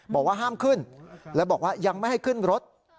บอกว่าห้ามขึ้นแล้วบอกว่ายังไม่ให้ขึ้นรถ